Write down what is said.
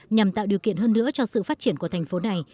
nhằm tạo điều kiện hơn nữa cho sự phát triển của thành phố này